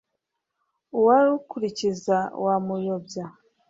uwarukurikiza wamuyobya